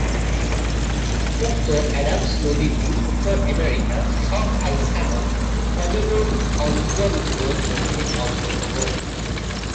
উক্ত অ্যাডামস নদীটি উত্তর আমেরিকার শক-আই স্যামন প্রজনন অঞ্চলগুলোর মাঝে অন্যতম।